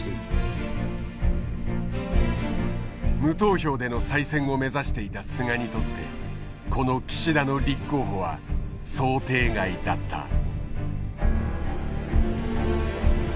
無投票での再選を目指していた菅にとってこの岸田の立候補は想定外だった。